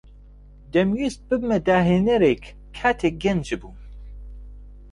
دەمویست ببمە داھێنەرێک کاتێک گەنج بووم.